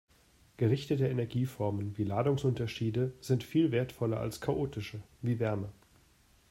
Gerichtete Energieformen wie Ladungsunterschiede sind viel wertvoller als chaotische wie Wärme.